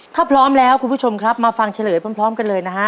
ถ้าพร้อมแล้วคุณผู้ชมครับมาฟังเฉลยพร้อมกันเลยนะฮะ